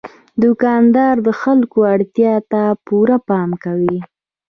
دوکاندار د خلکو اړتیا ته پوره پام کوي.